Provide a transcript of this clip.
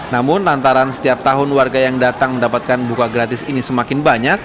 namun lantaran setiap tahun warga yang datang mendapatkan buka gratis ini semakin banyak